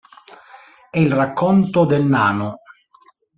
È il racconto del Nano.